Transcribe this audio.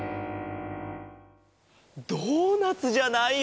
ドーナツじゃないよ。